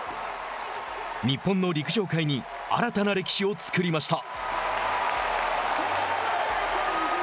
日本の陸上界に新たな歴史を作りました。